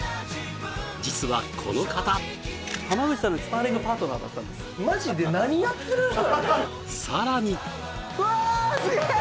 実はこの方浜口さんのスパーリングパートナーだったんですマジで何やってるさらにうわすげえ！